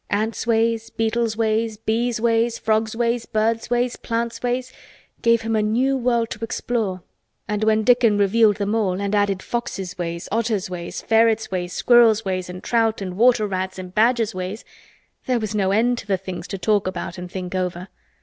Ants' ways, beetles' ways, bees' ways, frogs' ways, birds' ways, plants' ways, gave him a new world to explore and when Dickon revealed them all and added foxes' ways, otters' ways, ferrets' ways, squirrels' ways, and trout' and water rats' and badgers' ways, there was no end to the things to talk about and think over.